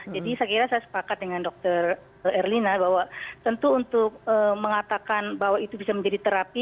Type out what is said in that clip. jadi saya kira saya sepakat dengan dr erlina bahwa tentu untuk mengatakan bahwa itu bisa menjadi terapi